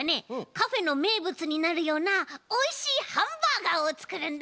カフェのめいぶつになるようなおいしいハンバーガーをつくるんだ！